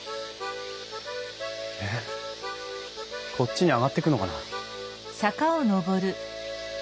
えっこっちに上がってくのかな？